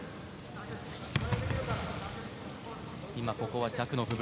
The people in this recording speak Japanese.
今、ここは弱の部分。